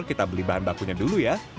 kita beli bahan bakunya dulu ya